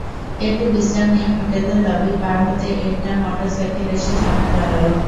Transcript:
একটু বিশ্রাম নিয়ে হোটেলের লবি পার হতেই একটা মোটরসাইকেল এসে সামনে দাঁড়াল।